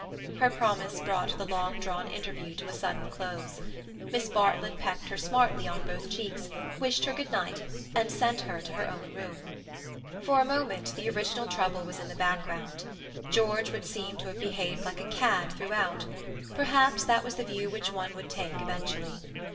Her promise brought the long drawn interview to a sudden close. Miss Bartlett pecked her smartly on both cheeks, wished her good night, and sent her to her own room. For a moment the original trouble was in the background. George would seem to have behaved like a cad throughout; perhaps that was the view which one would take eventually.